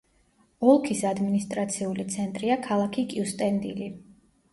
ოლქის ადმინისტრაციული ცენტრია ქალაქი კიუსტენდილი.